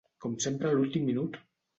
Com sempre a l’últim minut!